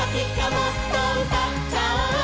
もっと歌っちゃおう！」